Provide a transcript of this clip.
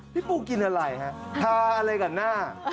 พี่ปูกินอะไรฮะทาอะไรกับหน้า